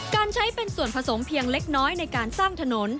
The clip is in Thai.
การใช้เป็นส่วนผสมเพียงเล็กน้อยในการสร้างถนน